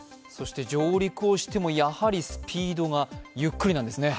上陸をしてもやはりスピードがゆっくりなんですね。